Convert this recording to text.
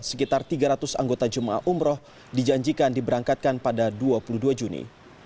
sekitar tiga ratus anggota jemaah umroh dijanjikan diberangkatkan pada dua puluh dua juni